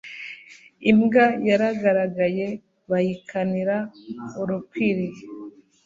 imbwa yaragaragaye bayikanira uruyikwiye